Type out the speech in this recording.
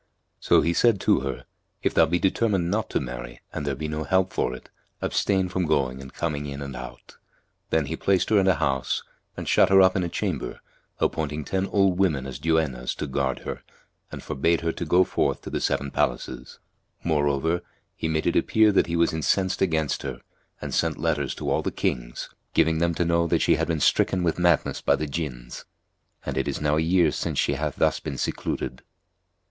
So he said to her 'If thou be determined not to marry and there be no help for it abstain from going and coming in and out.' Then he placed her in a house and shut her up in a chamber, appointing ten old women as duennas to guard her, and forbade her to go forth to the Seven Palaces; moreover, he made it appear that he was incensed against her, and sent letters to all the kings, giving them to know that she had been stricken with madness by the Jinns; and it is now a year since she hath thus been secluded."